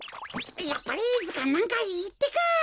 やっぱりずかんなんかいいってか。